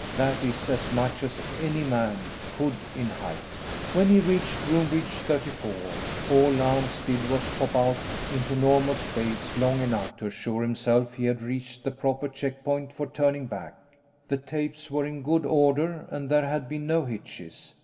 That is, as much as any man could in hype. When he reached Groombridge 34, all Lance did was pop out into normal space long enough to assure himself he had reached the proper checkpoint for turning back. The tapes were in good order, and there had been no hitches.